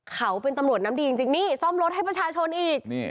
เขาเป็นตำรวจน้ำดีจริงนี่ซ่อมรถให้ประชาชนอีก